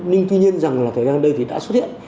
nhưng tuy nhiên thời gian ở đây thì đã xuất hiện